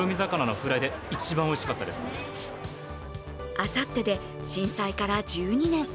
あさってで震災から１２年。